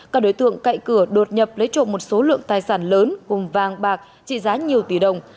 các đối tượng cậy cửa đột nhập lấy trộm một số lượng tài sản lớn gồm vàng bạc trị giá nhiều tỷ đồng